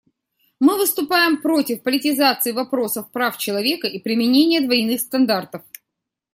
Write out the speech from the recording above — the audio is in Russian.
Мы выступаем против политизации вопросов прав человека и применения двойных стандартов.